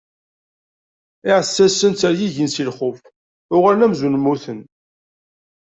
Iɛessasen ttergigin si lxuf, uɣalen amzun mmuten.